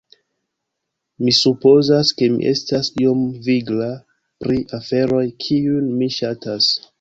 "... mi supozas ke mi estas iom vigla pri aferoj, kiujn mi ŝatas."